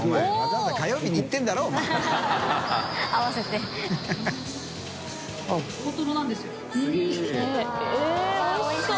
わっおいしそう。